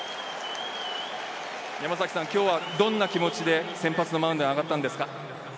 山崎さん、きょうはどんな気持ちで先発のマウンドに上がったんですか？